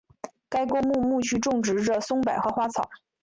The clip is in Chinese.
该公墓墓区种植着松柏和花草。